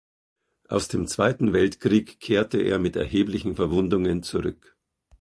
Aus dem Zweiten Weltkrieg kehrte er mit erheblichen Verwundungen zurück.